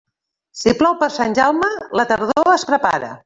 Si plou per Sant Jaume, la tardor es prepara.